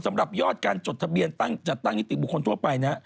สำหรับยอดการจดทะเบียนจัดตั้งนิติบุคคลทั่วไปนะ